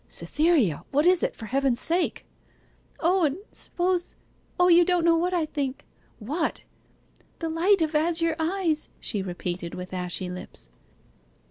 'Cytherea! What is it, for Heaven's sake?' 'Owen suppose O, you don't know what I think.' 'What?' '"The light of azure eyes,"' she repeated with ashy lips.